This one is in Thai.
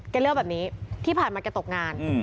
เลือกแบบนี้ที่ผ่านมาแกตกงาน